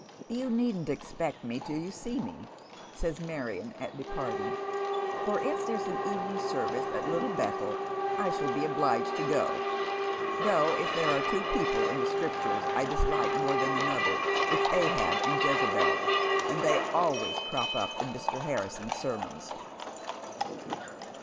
" You needn't expect me till you see me," says Marion at de parting. " For if there's an evening service at Little Bethel I shall be obliged to go, though if there are two people in the Scriptures I dislike more than anotlier it's Ahab and Jezebel, and they always crop up in Mr. Hamson's sennons."